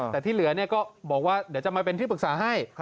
แต่ที่เหลือก็บอกว่าเดี๋ยวจะมาเป็นที่ปรึกษาให้